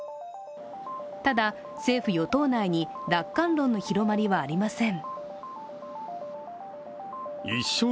ただ、政府・与党内に楽観論の広まりはありません。